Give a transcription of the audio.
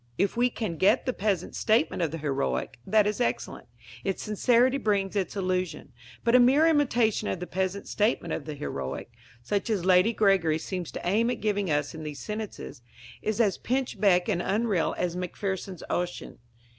If we can get the peasant statement of the heroic, that is excellent; its sincerity brings its illusion. But a mere imitation of the peasant statement of the heroic, such as Lady Gregory seems to aim at giving us in these sentences, is as pinchbeck and unreal as Macpherson's Ossian.